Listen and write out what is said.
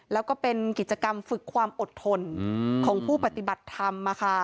แล้วก็เป็นกิจกรรมฝึกความอดทนของผู้ปฏิบัติธรรม